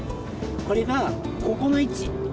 これがここの位置。